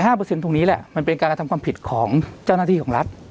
ตรงนี้แหละมันเป็นการกระทำความผิดของเจ้าหน้าที่ของรัฐ